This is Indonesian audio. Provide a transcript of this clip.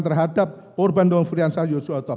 terhadap korban nofrian sayoswata